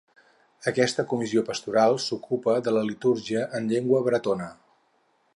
Aquesta comissió pastoral s'ocupa de la litúrgia en llengua bretona.